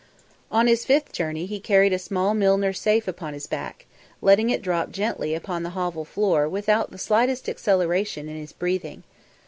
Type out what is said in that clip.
On his fifth journey he carried a small Milner safe upon his back, letting it drop gently upon the hovel floor without the slightest acceleration in his breathing.